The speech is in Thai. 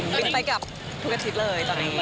วิกไปกับพวกตาที่เลยตอนนี้